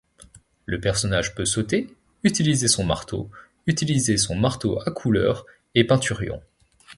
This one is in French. Le personnage peut sauter, utiliser son marteau, utiliser son marteau à couleurs et Peinturion.